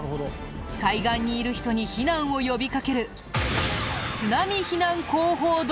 海岸にいる人に避難を呼びかける。